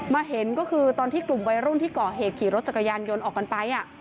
เห็นก็คือตอนที่กลุ่มวัยรุ่นที่ก่อเหตุขี่รถจักรยานยนต์ออกกันไป